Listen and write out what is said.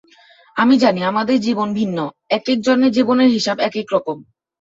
আমি জানি আমাদের জীবন ভিন্ন, একেকজনের জীবনের হিসেব একেকরকম।